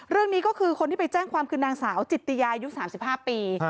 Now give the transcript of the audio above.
เรื่องนี้ก็คือคนที่ไปแจ้งความคือนางสาวจิตติยายุ๓๕ปี